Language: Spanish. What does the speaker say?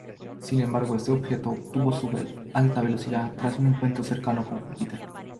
Sin embargo este objeto obtuvo su alta velocidad tras un encuentro cercano con Júpiter.